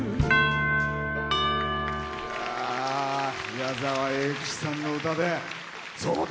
矢沢永吉さんの歌で。